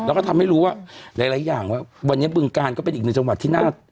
แล้วก็ทำให้รู้ว่าหลายอย่างว่าวันนี้บึงการก็เป็นอีกหนึ่งจังหวัดที่น่า